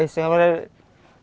pujangan gini ya